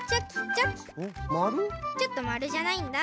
ちょっとまるじゃないんだ。